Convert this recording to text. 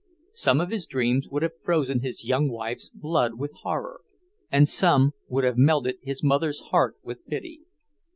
Some of his dreams would have frozen his young wife's blood with horror and some would have melted his mother's heart with pity.